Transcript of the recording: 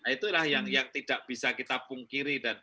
itulah yang tidak bisa kita pungkiri